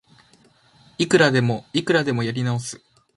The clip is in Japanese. いくらでもいくらでもやり直す